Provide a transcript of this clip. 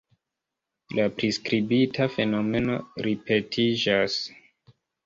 La priskribita fenomeno ripetiĝas.